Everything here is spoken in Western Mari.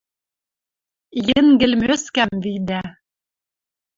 Йӹнгӹл Мӧскӓм видӓ —